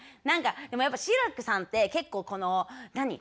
何かでもやっぱ志らくさんって結構この何？